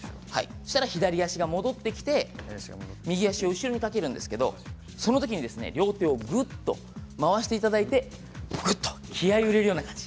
左足が戻ってきて、右足を後ろにかけるんですけどそのときに両手をぐっと回していただいて気合いを入れるような感じ